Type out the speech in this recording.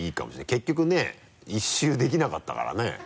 結局ね一周できなかったからね。